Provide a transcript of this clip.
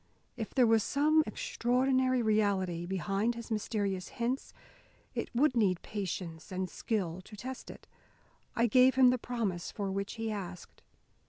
If there was some extraordinary, reality behind his mysterious hints, it would need patience and skill to test it. I gave him the promise for which he asked.